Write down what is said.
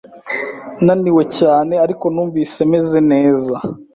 Naniwe cyane, ariko numvise meze neza.